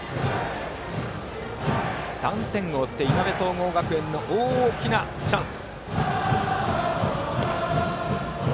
３点を追っていなべ総合学園の大きなチャンス。